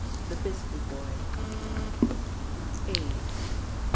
THE BISLEY BOY A.